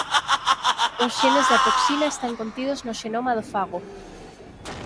Os xenes da toxina están contidos no xenoma do fago.